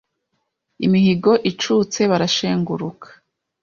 Imihigo icutse barashenguruka.